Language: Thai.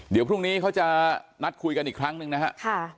เดี๋ยวพรุ่งนี้เขาจะนัดคุยกันอีกครั้งหนึ่งนะครับ